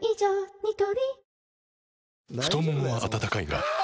ニトリ太ももは温かいがあ！